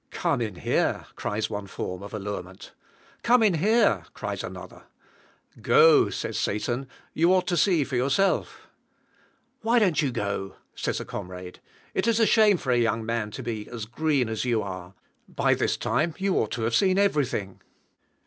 "Come in here," cries one form of allurement. "Come in here," cries another. "Go;" says Satan. "You ought to see for yourself." "Why don't you go?" says a comrade. "It is a shame for a young man to be as green as you are. By this time you ought to have seen everything."